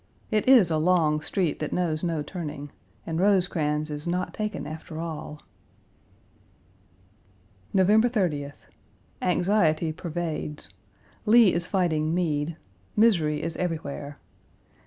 It is a long street that knows no turning, and Rosecrans is not taken after all. November 30th. Anxiety pervades. Lee is fighting Meade. Misery is everywhere.